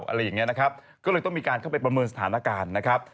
อะไรอย่างนี้นะครับก็เลยต้องมีการเข้าไปประเมินสถานการณ์นะครับ